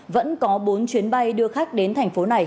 vẫn có bốn chuyến bay đưa khách đến thành phố này